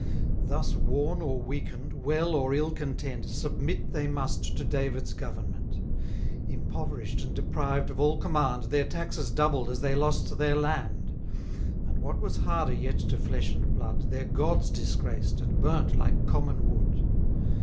Thus worn or weaken'd, well or ill content, Submit they must to David's government: Impoverish'd and deprived of all command, Their taxes doubled as they lost their land; And, what was harder yet to flesh and blood, Their gods disgraced, and burnt like common wood.